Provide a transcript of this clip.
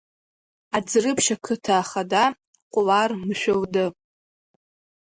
Аӡрыԥшь ақыҭа ахада Ҟәлан Мшәылды…